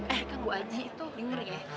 eh kan bu aji itu denger ya